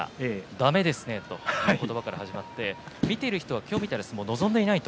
だめですね、と言葉から始まって見ている人は今日みたいな相撲を望んでいない。